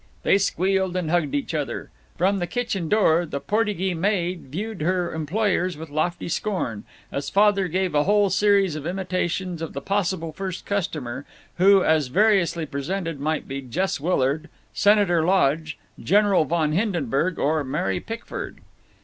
They squealed and hugged each other. From the kitchen door the Portygee maid viewed her employers with lofty scorn, as Father gave a whole series of imitations of the possible first customer, who, as variously presented, might be Jess Willard, Senator Lodge, General von Hindenburg, or Mary Pickford.